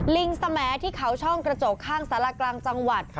ลิงสแมที่เขาช่องกระจกข้างสารากลางจังหวัด